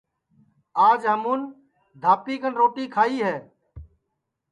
آج ہمون دھاپی کن روٹی کھائی ہے